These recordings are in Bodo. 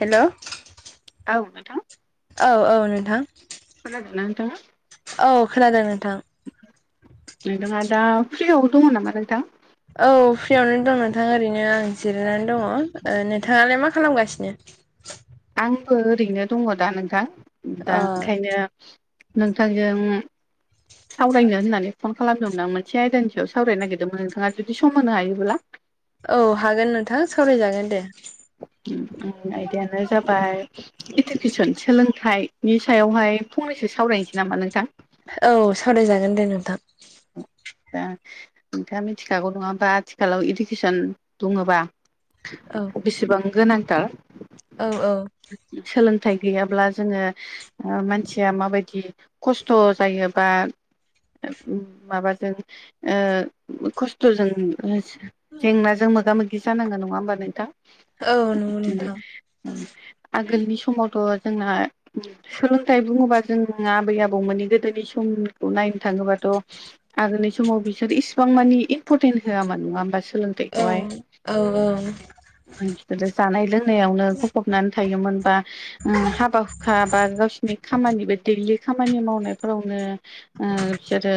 हेलौ औ नोंथां औ औ नोंथां खोनादोना नोंथांङा औ खोनादों नोंथां नोंथांङा दा फ्रियाव दङ नामा नोथां औ फ्रियावनो दं नोंथां ओरैनो आं जिरायनानै दंङो ओ नोंथांङालाय मा खालामगासिनो आंबो ओरैनो दंङो दा नोंथां अ दा ओंखायनो नोंथांजों सावरायनो होननानै फन खालामदोंमोन आं मोनसे आयदानि सायाव सावरायनो नागिरदोंमोन नोंथांङा जुदि सम होनो हायोब्ला औ हागोन नोंथां सावरायजागोन दे उम आयदायानो जाबाय इडुकेसन सोलोंथाइनि सायावहाय फंनैसो सावरायनोसै नामा नोंथां औ सावरायजागोन दे नोंथां दा नोंथांङा मिथिखागौ नंङा ओमबा आथिखालाव इडुकेसन बुंङोबा औ बेसेबां गोनांथार औ औ सोलोंथाइ गैयाब्ला जोंङो मानसिया माबायदि खस्थ' जायो बा माबा ओ खस्थ'जों जेंनाजों मोगा मोगि जानांगौ नंङा होमबा नोंथां औ नंगौ नोंथां आगोलनि समावथ' जोंना सोलोंथाइ बुंङोबा जों आबै आबौमोननि गोदोनि समखौ नायनो थांङोबाथ' आरो नै समाव बिसोर इसिबां मानि इम्पर्टेन्ट होआमोन नंङा होमबा सोलों- औ औ औ मानसिफोरजों जानाय लोंनाय नो गफबनानै थायोमोन बा हाबा हुखा बा गावसोरनि खामानिबो दैलि खामानि मावनायफोरावनो बिसोरो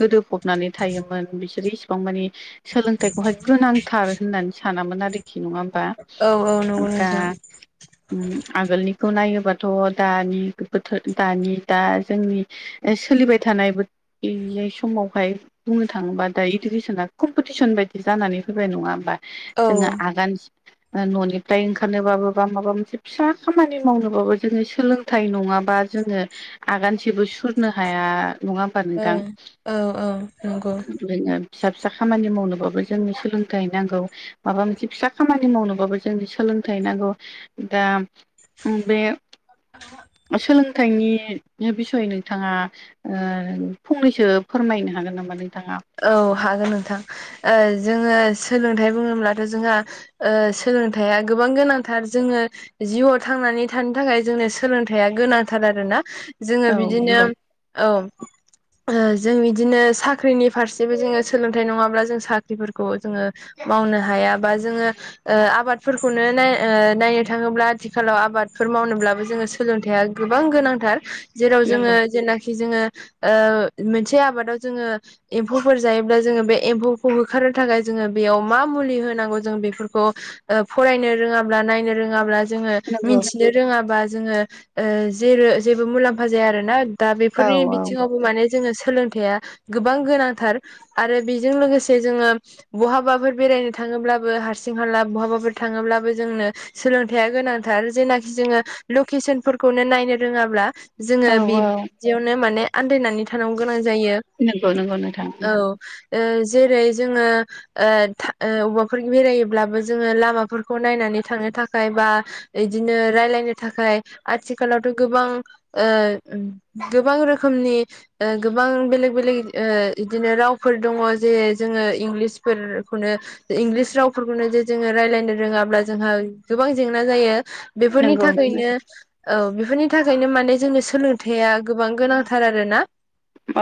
गोदोफबनानै थायोमोन बिसोरो इसिबां मानि सोलोंथाइखौहाय गोनांथार होननानै सानामोन आरोखि नंङा बा औ औ आ नंगौ दा नोंथां उम आगोलनिखौ नायोबाथ' दानि बोथोर दानि दा जोंनि सोलिबाय थानायबो बे समावहाय बुंनो थाङोबा दा इडुकेसना कम्पिटिसन बायदि जानानै फैबाय नंङा होनबा औ जोंङो आगान न'निफ्राय ओंखारनोबाबो बा माबा मोनसे फिसा खामानि मावनोबाबो जोंङो सोलों- थाय नंङाबा जोंङो आगानसेबो सुरनो हाया नङा होमबा नों औ औ औ नंगौ बिनो फिसा फिसा खामानि मावनोबाबो जोंनो सोलोंथाइ नांगौ माबा मोनसे फिसा खामानि मावनोबाबो जों सोलोंथाइ नांगौ दा ओ बे सोलोंथाइनि बिसय नोंथांङा ओ फंनैसो फोरमायनो हागोन नामा नोंथांङा औ हागोन नोंथां जोंङो सोलोंथाइ बुङोब्लाथ' जोंहा सोलोंथाइया गोबां गोनांथार जोंङो जिउआव थांनानै थानो थाखाय जोंनो सोलोंथाइया गोनांथार आरोना जोङो औ बिदिनो नंगौ औ जों बिदिनो साख्रिनि फारसेबो जोङो सोलोंथाइ नङाब्ला जों साख्रिफोरखौ जोङो मावनो हाया बा जोङो ओ आबादफोरखौनो नाय ओ नायनो थाङोब्ला आथिखालाव आबादफोर मावनोब्लाबो जोङो सोलोंथाया गोबां गोनांथार। जेराव जोङो नंगौ जेनाखि जोङो ओ मोनसे आबादाव जोङो एम्फौफोर जायोब्ला जोङो बे एम्फौखौ होखारनो थाखाय जोङो बेयाव मा मुलि होनांगौ जों बेफोरखौ फरायनो रोङाब्ला नायनो रोङाब्ला जोङो नंगौ मिथिनो रोङाबा जोङो ओ जे जेबो मुलाम्फा जाया आरोना। दा औ बेफोरनि बिथिङावबो माने जोङो सोलोंथाइया गोबां गोनांथार आरो बेजों लोगोसे जोङो बहाबाफोर बेरायनो थाङोब्लाबो हारसिं हाला बहाबाफोर थाङोब्लाबो जोंनो सोलोंथाय्या गोनांथार जेनाखि जोङो लकेसनफोरखौनो नायनो रोङाब्ला जोङो औ औ बिदियावनो माने आन्दायनानै थानांगौ गोनां जायो। नंगौ नंगौ नों औ ओ जेरै जोङो ओ दा अबावबाफोर बेरायोब्लाबो जोङो लामाफोरखौ नायनानै थांनो थाखाय बा बिदिनो रायलायनो थाखाय आथिखालावथ' गोबां ओ गोबां रोखोमनि ओ गोबां बेलेग बेलेग ओ ओ इदिनो रावफोर दङ' जेरै जोङो इंलिसफोरखौनो इंलिस रावफोरखौनो जे जोङो राय्लायनो रोङाब्ला जोंहा गोबां जेंना जायो। बेफोरनि नंगौ थाखायनो औ बेफोरनि थाखायनो माने जोंनि सोलोंथाइया गोबां गोनांथार आरो ना?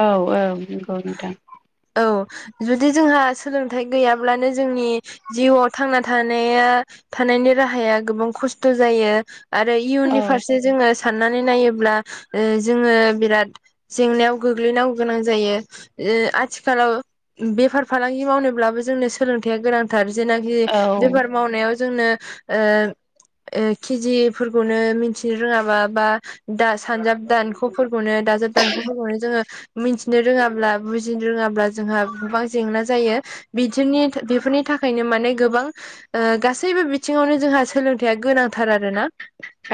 औ औ नंगौ नोंथां औ जुदि जोंहा सोलोंथाइ गैयाब्लानो जोंनि जिउआव थांना थानाया थानायनि राहाया गोबां खस्थ' जायो। आरो औ इयुननि फारसे जोङो साननानै नायोब्ला जोङो बिराद जेंनायाव गोग्लैनांगौ गोनां जायो। आथिखालाव बेफार फालांगि मावनोब्लाबो जोंनो सोलोंथाइया गोनां थार जेनाखि औ बेफार मावनायाव जोंनो ओ केजिफोरखौनो मिथिनो रोङाबा बा दा सानजाब दानख'फोरखौनो दाजाब दानख'फोरखौनो जोङो मिथिनो रोङाब्ला बुजिनो रोङाब्ला जोंहा गोबां जेंना जायो। बिदिनि बेफोरनि थाखायनो माने गोबां गासैबो बिथिङावनो जोंहा सोलोंथाया गोनांथार आरोना?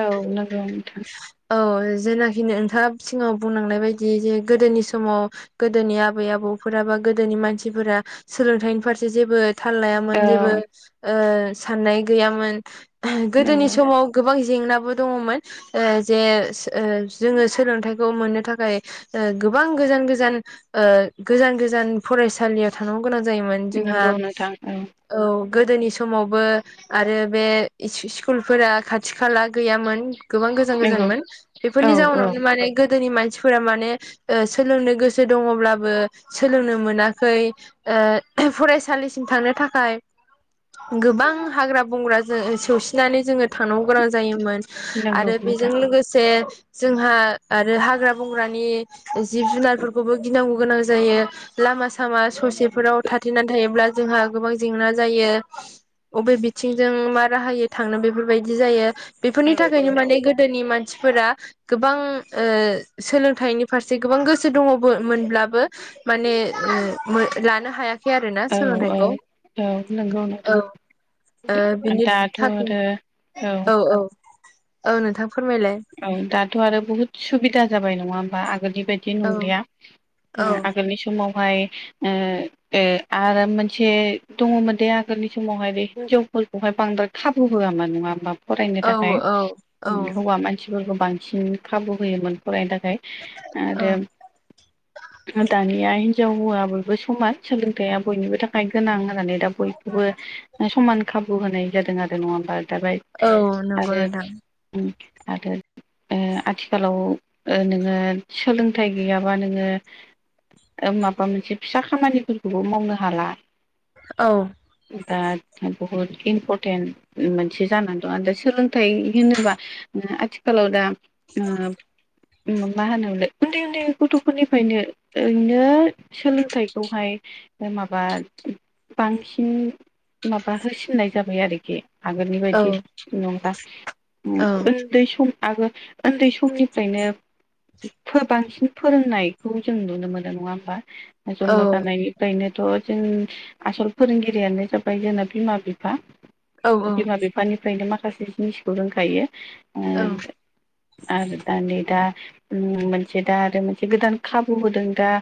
औ नंगौ नोंथां औ जेनाखि नोंथाङा सिगाङाव बुंनांनाय बायदि जे गोदोनि समाव गोदोनि आबै आबौफोरा बा गोदोनि मानसिफोरा सोलोंथाइनि फारसे जेबो थाल लायामोन औ जेबो ओ साननाय गैयामोन गोदोनि नंगौ समाव गोबां जेंनाबो दङमोन ओ जे जोङो सोलोंथाइखौ मोननो थाखाय गोबां गोजान गोजान गोजान गोजान फरायसालियाव थांनांगौ गोनां जायोमोन जोंहा नंगौ नोंथां औ गोदोनि समावबो आरो बे स्कुलफोरा खाथि खाला गैयामोन गोबां गोजान नंगौ गोजानमोन औ बेफोरनि औ जाउनावनो माने गोदोनि मानसिफोरा माने सोलोंनो गोसो गोसो दङब्लाबो सोलोंनो मोनाखै फरायसालिसिम थांनो थाखाय गोबां हाग्रा बंग्रा जों सौसिनानै जोङो थांनांगौ गोनां जायोमोन। नंगौ आरो बेजों नोंथां लोगोसे जोंहा आरो हाग्रा बंग्रानि जिब जुनारफोरखौबो गिनांगौ गोनां जायो। लामा सामा ससेफोराव थाथेनानै थायोब्ला जोंहा गोबां जेंना जायो। बबे बिथिंजों मा राहायो थांनो बेफोरबायदि जायो। औ बेफोरनि औ थाखायनो माने गोदोनि मानसिफोरा गोबां ओ सोलोंथाइनि फारसे गोबां गोसो दङ बो मोनब्लाबो माने ओ लानो हाया खै आरोना औ औ सोलोंथाइखौ औ नंगौ औ नोंथां ओ बिनि दाथ' थाखाय आरो औ औ औ नोंथां फोरमायलाय? औ दाथ' आरो बुहुद सुबिदा जाबाय नङा ओमबा आगोलनि बायदि औ नंलिया। उम औ आगोलनि समावहाय ओ ओ आरो मोनसे दङमोन दे आगोलनि समावहाय बे हिनजावफोरखौहाय बांद्राय खाबु होआमोन नङा ओमबा फरायनो औ थाखाय औ हौवा मान सिफोरखौ बांसिन खाबु होयोमोन फरायनो थाखाय औ आरो दानिया हिनजाव हौवा बयबो समान सोलोंथाइया बयनिबो थाखाय गोनां होननानै दा बयखौबो समान खाबु होनाय जादों आरो नङा ओनबा दालाय औ नंगौ नोंथां। उम आरो ओ आथिखालाव ओ नोङो सोलोंथाइ गैयाबा नोङो ओ माबा मोनसे फिसा खामानिफोरखौबो मावनो हाला। औ दा बहुत इम्पर्टेन्ट। मोनसे जानानै दं आरो दा सोलोंथाइ होनोबा उम आथिखालाव दा उम मा होनोमोनलाय उन्दै उन्दै गथ'फोरनिफ्रायनो ओरैनो सोलोंथाइखौहाय माबा बांसिन माबा होसिननाय जाबाय आरोखि आगोलनि औ बायदि नङा। औ उन्दै सम आगो उन्दै समनिफ्रायनो बांसिन फोरोंनायखौ जों नुनो मोनो नङा ओमबा जन्म जानायनि फ्रायनोथ' जों आसल फोरोंगिरियानो जाबाय जोंना बिमा बिफा। औ बिमा बिफानिफ्रायनो माखासे जिनिसखौ रोंखायो। ओ औ आरो दा नै दा उम मोनसे दा आरो मोनसे गोदान खाबु होदों दा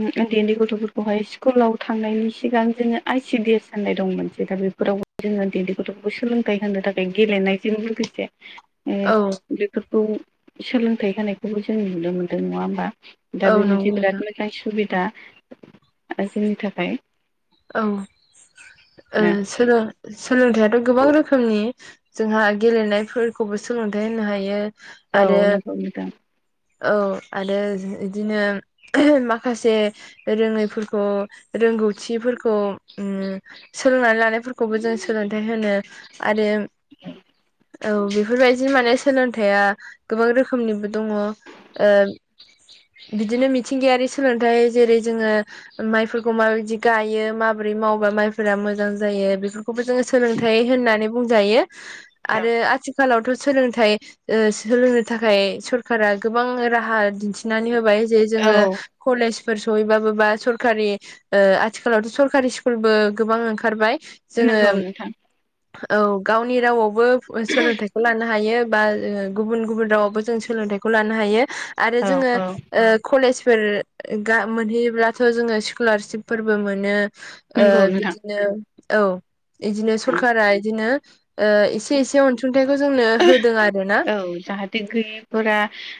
उम उन्दै उन्दै गथ'फोरखौहाय स्कुलाव थांनायनि सिगां जोङो आइ सिडि एस होननाय दं मोनसे दा बेफोरावबो जोंङो उन्दै उन्दै गथ'फोरखौ सोलोंथाइ होनो थाखाय गेलेनायजों लोगोसे औ फोरखौ सोलोंथाइ होनायखौबो जों नुनो मोन्दों नङा ओमबा? दा औ बे नंगौ मोनसे नोंथां बिराद मोजां सुबिदा आरो जोंनि थाखाय औ ओ सोलों सोलोंथाइयाथ' गोबां रोखोमनि। जोंहा गेलेनायफोरखौबो सोलोंथाइ होनो हायो। औ आरो नंगौ नोंथां। औ आरो इदिनो माखासे रोङैफोरखौ रोंगौथिफोरखौ उम सोलोंनानै लानायफोरखौबो जों सोलोंथाइ होनो आरो [inaudible] औ बेफोरबायदि माने सोलोंथाइया गोबां रोखोमनिबो दङ ओ बिदिनो मिथिंगायारि सोलोंथाइ जेरै जोङो माइफोरखौ माबायदि गायो माबोरै मावबा माइफोरा मोजां जायो बेफोर खौबो जोंङो सोलोंथाइ होननानै बुंजायो औ आरो आथिखालावथ' सोलोंथाइ ओ सोलोंनो थाखाय सरखारा गोबां राहा दिन्थि नानै होबाय जे औ जोंङो कलेजफोर सहैबाबो बा सरकारि ओ आथिखालावथ' सरकारि स्कुलबो गोबां ओंखारबाय। जोंङो नंगौ नोंथां औ गावनि रावावबो सोलोंथाइखौ लानो हायो। बा गुबुन गुबुन रावावबो जों सोलोंथाइखौ लानो हायो आरो औ जोंङो औ कलेजफोर मोनहैयोब्लाथ' जोंङो स्कलारशपफोरबो मोनो नंगौ नोंथां बिदिनो औ बिदिनो सरखारारा बिदिनो एसे एसे अन सुंथाइखौ जोंनो होदों आरो ना औ जाहाथे गैयिफोरा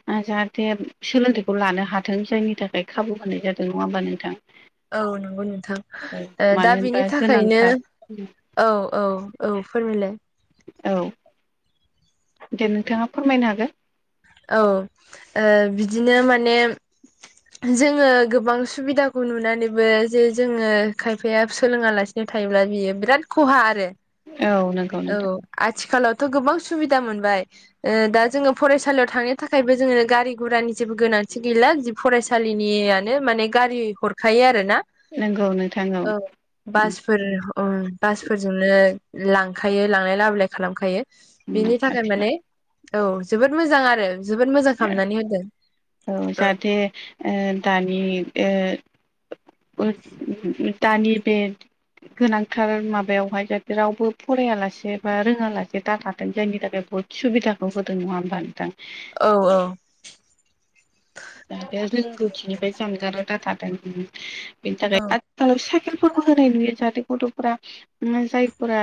जाहाथे सोलोंथाइखौ लानो हाथों जायनि थाखाय खाबु होनाय जादों नंङा होमबा नोंथां औ नंगौ औ नोंथां दा मानो होनबा बिनि थाखायनो गोनांथार औ औ औ फोरमायलाय औ दे नोंथांङा फोरमायनो हागोन औ बिदिनो माने जोंङो गोबां सुबिदाखौ नुनानैबो जे जोंङो खायफाया सोलोङालासिनो याव थायोब्ला बियो बिराद खहा आरो औ नंगौ औ नोंथां आथिखालावथ' गोबां सुबिदा मोनबाय दा जोंङो फराय फसालियाव थांनो थाखायबो जोंङो गारि गुरानि जेबो गोनांथि गैला जि फरायसालिनियानो माने गारि हर खायो आरो ना नंगौ नोंथां औ बास फोर बासफोरजोंनो लांखायो लांलाय लाबोलाय खालामखायो बिनि थाखाय आथिखाल माने औ जोबोद मोजां आरो जोबोद मोजां खालामनानै होदों बे दानि दानि बे गोनांथार माबायावहाय जाहाथे रावबो फरायालासे बा रोङांलासे दा थाथों जायनि थाखाय बहुद सुबिदाखौ होदों नंङा होमबा नोंथां औ औ बे रोंगौथिनिफ्राय जानगाराव दा थादों बेनि औ थाखाय साइकेलफोरबो होनाय नुयो जाहाथे गथ'फोरा जायफोरा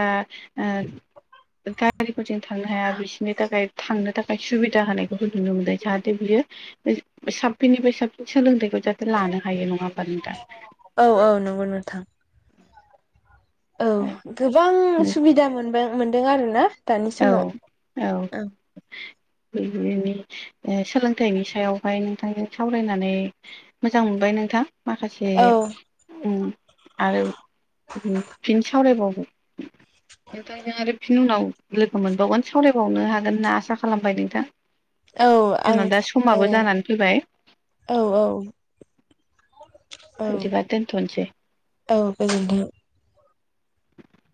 गारिफोरजों थांनो हाया बिसोरनि थाखाय थांनो थाखाय सुबिदा होनायखौबो नुनो मोनदों जाहाथे बियो साबसिननिफ्राय साबसिन सोलोंथाइखौ जाहाथे लानो हायो नंङा होनबा नोंथां औ औ नंगौ नोंथां औ गोबां सुबिदा मोनदों मोनदों आरोना औ औ [unintelligible] सोलोंथाइनि सायावहाय नोंथांजों सावरायनानै मोजां मोनबाय नोंथां माखासे आरो फिन सावरायबावगोन नोंथांजों आरो फिनि उनाव लोगो मोनबावगोन सावरायबावनो हागोन होनना आसा खालामबाय नोंथां औ आं जोंना दा औ समाबो जानानै फैबाय औ औ औ बिदिबा दोनथनोसै औ गोजोनथों